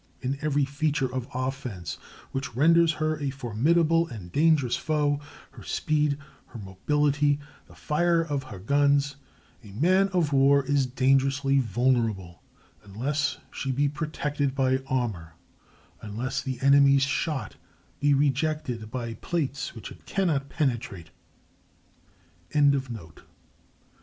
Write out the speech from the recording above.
In every feature of offense which renders her a formidable and dangerous foe—her speed, her mobility, the fire of her guns—a man of war is dangerously vulnerable unless she be protected by armor, unless the enemy's shot be rejected by plates which it cannot penetrate.